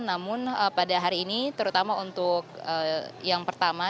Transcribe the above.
namun pada hari ini terutama untuk yang pertama